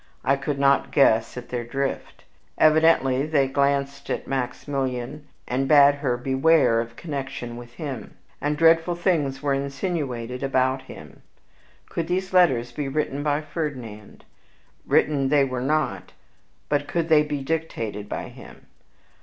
I could not guess at their drift. Evidently they glanced at Maximilian, and bade her beware of connection with him; and dreadful things were insinuated about him. Could these letters be written by Ferdinand? Written they were not, but could they be dictated by him?